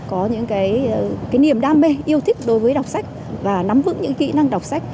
có những cái niềm đam mê yêu thích đối với đọc sách và nắm vững những kỹ năng đọc sách